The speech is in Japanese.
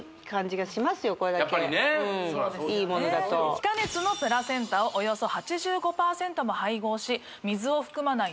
非加熱のプラセンタをおよそ８５％も配合し水を含まない